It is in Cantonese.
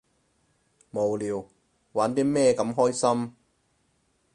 無聊，玩啲咩咁開心？